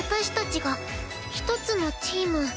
私たちが一つのチーム。